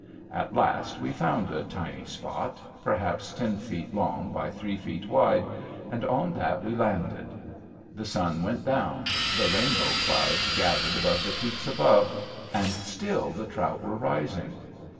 At last we found a tiny spot, perhaps ten feet long by three feet wide, and on that we landed. The sun went down; the rainbow clouds gathered about the peaks above, and still the trout were rising.